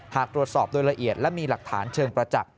หากตรวจสอบโดยละเอียดและมีหลักฐานเชิงประจักษ์